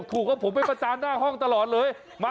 คุณครูเขาพูดว่าไงนะ